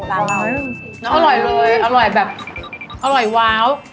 อร่อยอร่อยแบบอร่อยว้าว